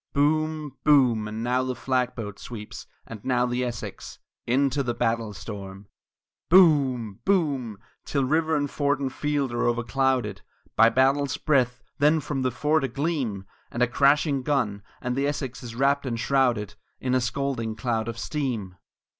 Boom! Boom! and now the flag boat sweeps, and now the Essex, Into the battle storm! III Boom! Boom! till river and fort and field are overclouded By battle's breath; then from the fort a gleam And a crashing gun, and the Essex is wrapt and shrouded In a scalding cloud of steam!